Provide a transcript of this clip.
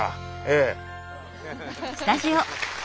ええ。